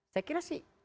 saya kira sih